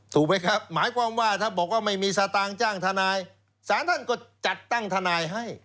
ถูกไหมครับหมายความว่าถ้าบอกว่าไม่มีสตางค์จ้างทนายศาลท่านก็จัดตั้งทนายให้